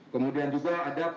kemudian juga ada